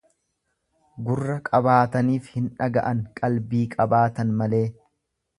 Gurra qabaataniif hin dhaga'an, qalbii qabaatan malee.